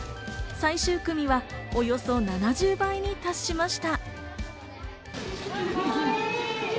最終組はおよそ７０倍に達しました。